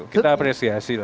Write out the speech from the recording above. kita apresiasi lah